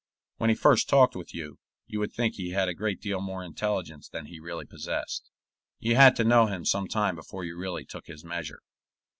When he first talked with you, you would think he had a great deal more intelligence than he really possessed. You had to know him some time before you really took his measure.